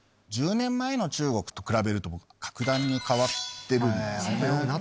１０年前の中国と比べると格段に変わってるんですよね。